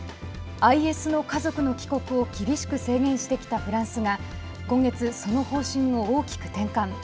ＩＳの家族の帰国を厳しく制限してきたフランスが今月、その方針を大きく転換。